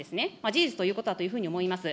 事実ということだというふうに思います。